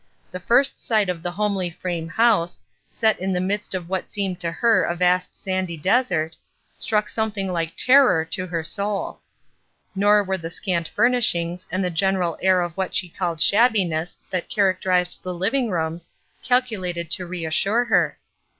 The first sight of the homely frame house, set in the midst of what seemed to her a vast sandy desert, struck some thing like terror to her soul. Nor were the scant furnishings, and the general air of what she called shabbiness that characterized the living rooms, calculated to reassure her.